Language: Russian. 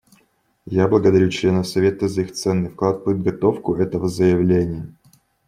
Я благодарю членов Совета за их ценный вклад в подготовку этого заявления.